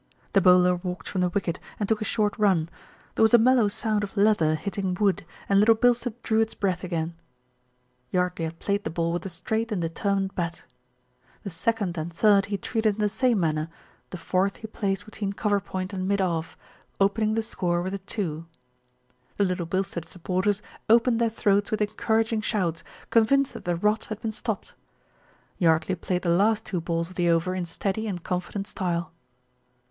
The bowler walked from the wicket, and took a short run. There was a mellow sound of leather hitting wood, and Little Bilstead drew its breath again. 208 THE RETURN OF ALFRED Yardley had played the ball with a straight and de termined bat. The second and third he treated in the same manner, the fourth he placed between cover point and mid off, opening the score with a two. The Little Bilstead supporters opened their throats with encour aging shouts, convinced that the "rot" had been stopped. Yardley played the last two balls of the over in steady and confident style.